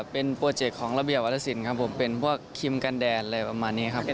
เป็นพวกครีมกันแดนอะไรแบบนี้ค่ะ